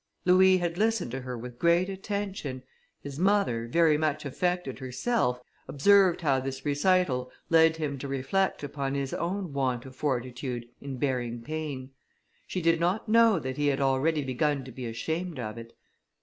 Louis had listened to her with great attention. His mother, very much affected herself, observed how this recital led him to reflect upon his own want of fortitude in bearing pain; she did not know that he had already begun to be ashamed of it.